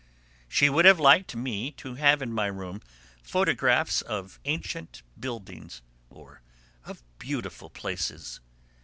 She would have liked me to have in my room photographs of ancient buildings or of beautiful places.